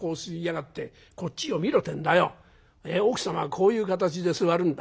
こういう形で座るんだ。